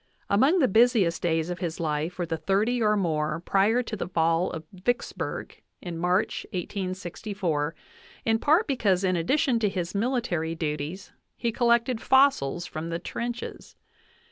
Among the busiest days of his life were the thirty or more prior to the fall of Vicksburg, in March, 1864, in part because in addition to his military duties he collected fossils from the trenches.